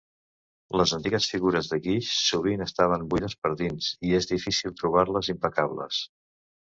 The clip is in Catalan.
Les antigues figures de guix sovint estaven buides per dins i és difícil trobar-les impecables.